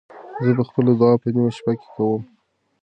زه به خپله دعا په نیمه شپه کې کوم.